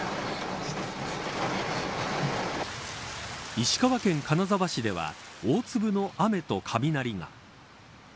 石川県金沢市では大粒の雨と雷が。